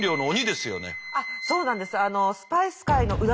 あっそうなんです。